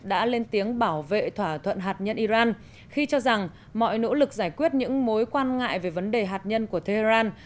đã lên tiếng bảo vệ thỏa thuận hạt nhân iran khi cho rằng mọi nỗ lực giải quyết những mối quan ngại về vấn đề hạt nhân của tehran